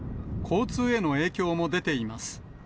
交通への影響も出ています。